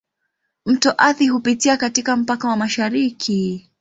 Mto Athi hupitia katika mpaka wa mashariki.